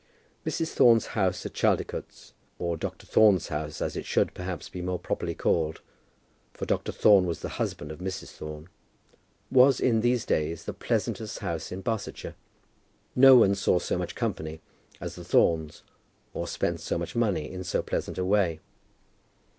Mrs. Thorne's house at Chaldicotes, or Dr. Thorne's house as it should, perhaps, be more properly called, for Dr. Thorne was the husband of Mrs. Thorne, was in these days the pleasantest house in Barsetshire. No one saw so much company as the Thornes, or spent so much money in so pleasant a way.